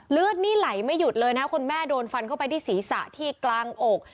เลือดนี่ไหลไม่หยุดเลยนะคุณแม่โดนฟันเข้าไปที่ศีรษะที่กลางอก